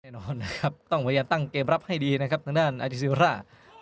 แน่นอนนะครับต้องพยายามตั้งเกมรับให้ดีนะครับทางด้านอาทิซิร่า